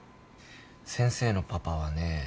先生のパパはね